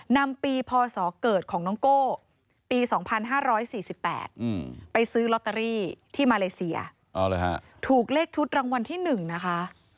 นำปีพศเกิดของน้องโก้ปี๒๕๔๘ไปซื้อลอตเตอรี่ที่มาเลเซียถูกเลขชุดรางวัลที่๑นะคะ